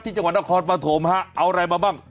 จังหวัดนครปฐมฮะเอาอะไรมาบ้าง